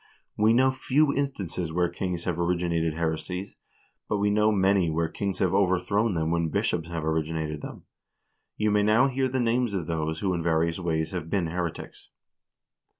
We know few instances where kings have originated heresies, but we know many where kings have overthrown them when bishops have originated them. You may now hear the names of those who in various ways have been heretics."